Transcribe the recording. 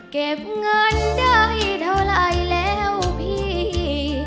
เก็บเงินได้เท่าไหร่แล้วพี่